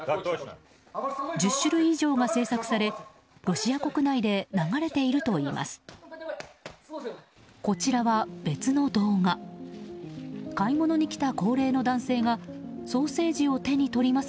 １０種類以上が制作されロシア国内で流れているといいます。